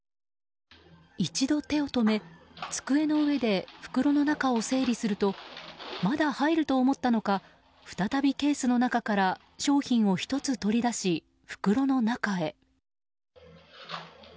一度、手を止め机の上で袋の中を整理するとまだ入ると思ったのか再びケースの中から商品を１つ取り出し袋の中へ。